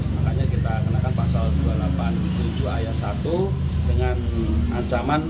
makanya kita kenakan pasal dua ratus delapan puluh tujuh ayat satu dengan ancaman